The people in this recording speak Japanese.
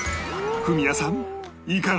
フミヤさん